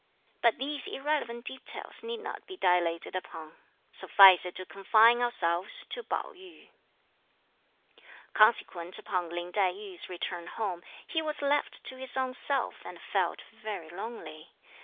But these irrelevant details need not be dilated upon; suffice it to confine ourselves to Pao yü. Consequent upon Lin Tai yü's return home, he was left to his own self and felt very lonely.